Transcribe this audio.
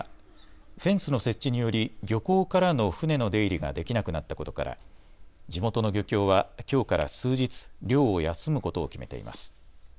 フェンスの設置により漁港からの船の出入りができなくなったことから地元の漁協はきょうから数日、漁を休むことを決めています。